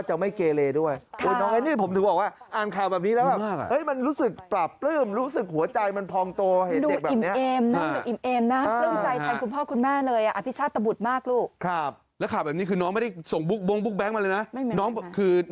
เธอบอกว่าดีใจมากที่ได้หนังสือ